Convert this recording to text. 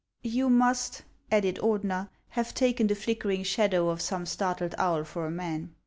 "You must," added Ordener, "have taken the flickering shadow of some startled owl for a man."